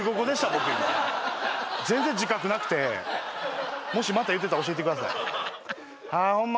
僕今全然自覚なくてもしまた言ってたら教えてくださいはあホンマ